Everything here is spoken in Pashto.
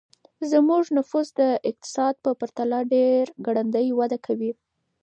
زموږ نفوس د اقتصاد په پرتله ډېر ګړندی وده کوي.